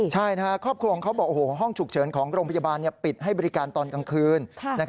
ใช่นะครับครอบครัวของเขาบอกโรงพยาบาลปิดให้บริการตอนกลางคืน